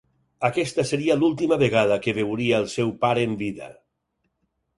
Aquesta seria l'última vegada que veuria el seu pare en vida.